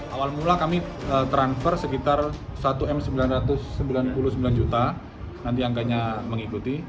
awal mula kami transfer sekitar satu m sembilan ratus sembilan puluh sembilan juta nanti angkanya mengikuti